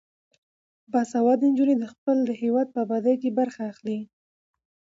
باسواده نجونې د خپل هیواد په ابادۍ کې برخه اخلي.